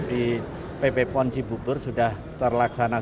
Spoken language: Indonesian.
di pp ponci bubur sudah terlaksana sempurna